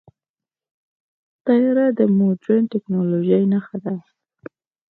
طیاره د مدرن ټیکنالوژۍ نښه ده.